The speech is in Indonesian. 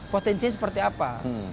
potensi seperti apa